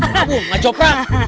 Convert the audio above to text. labung ngacau prak